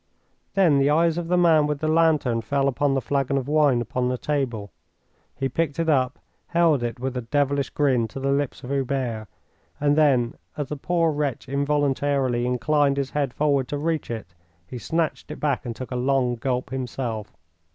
Then the eyes of the man with the lantern fell upon the flagon of wine upon the table. He picked it up, held it, with a devilish grin, to the lips of Hubert, and then, as the poor wretch involuntarily inclined his head forward to reach it, he snatched it back and took a long gulp himself.